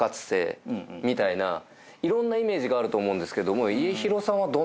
みたいないろんなイメージがあると思うんですけども。